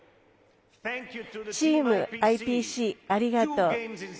チームＩＰＣ、ありがとう。